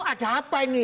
ada apa ini